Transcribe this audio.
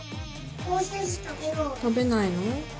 食べないの？